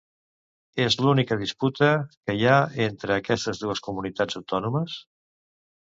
És l'única disputa que hi ha entre aquestes dues comunitats autònomes?